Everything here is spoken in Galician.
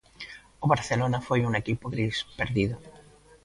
O Barcelona foi un equipo gris, perdido.